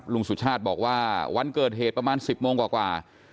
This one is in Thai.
สุชาติบอกว่าวันเกิดเหตุประมาณ๑๐โมงกว่า